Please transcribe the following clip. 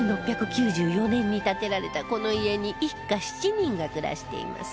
１６９４年に建てられたこの家に一家７人が暮らしています